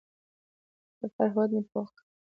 د سفر هوډ مې پوخ کړ.